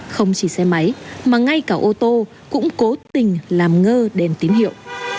không chỉ xe máy mà ngay cả ô tô cũng cố tình làm ngơ đèn tín hiệu